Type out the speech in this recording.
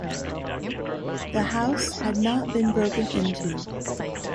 The house had not been broken into.